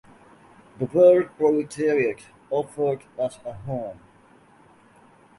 The world proletariat offered us a home.